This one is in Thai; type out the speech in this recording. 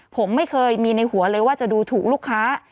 ผมไม่เคยมีในหัวเลยว่าจะดูถูกลูกค้า